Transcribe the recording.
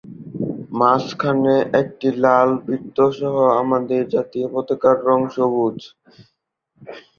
মাঝখানে একটি লাল বৃত্তসহ আমাদের জাতীয় পতাকার রং সবুজ।